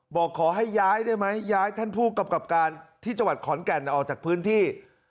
บอกขอให้ย้ายได้ไหมย้ายท่านผู้กำกับการที่จังหวัดขอนแก่นออกจากพื้นที่